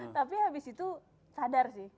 tapi habis itu sadar sih